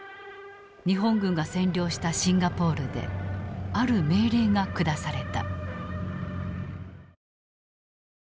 日本軍が占領したシンガポールである命令が下された。